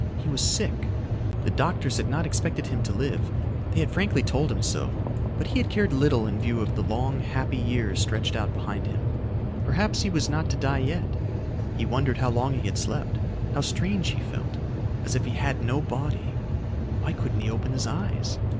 He was sick. The doctors had not expected him to live; they had frankly told him so but he had cared little in view of the long, happy years stretched out behind him. Perhaps he was not to die yet. He wondered how long he had slept. How strange he felt as if he had no body. Why couldn't he open his eyes?